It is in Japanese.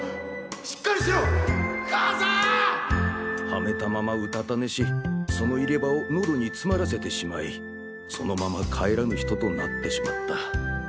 はめたままうたた寝しその入れ歯を喉に詰まらせてしまいそのまま帰らぬ人となってしまった。